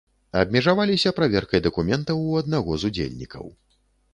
Абмежаваліся праверкай дакументаў у аднаго з удзельнікаў.